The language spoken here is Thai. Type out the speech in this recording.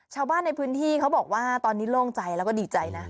ชาวบ้านในพื้นที่เขาบอกว่าตอนนี้โล่งใจแล้วก็ดีใจนะ